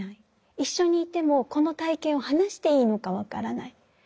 一緒にいてもこの体験を話していいのか分からない。